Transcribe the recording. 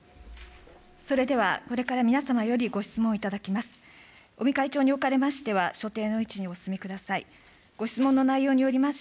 それではこれから皆様よりご質問を頂きます。